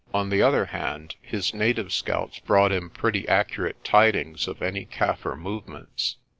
On the other hand, his native scouts brought him pretty accurate tidings of any Kaffir movements.